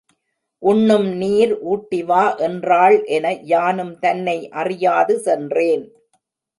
உண்ணும் நீர் ஊட்டிவா என்றாள் என, யானும் தன்னை அறியாது சென்றேன்.